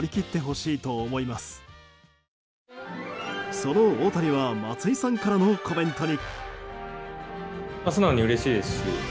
その大谷は松井さんからのコメントに。